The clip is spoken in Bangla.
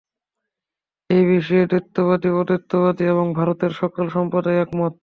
এই বিষয়ে দ্বৈতবাদী, অদ্বৈতবাদী এবং ভারতের সকল সম্প্রদায় একমত।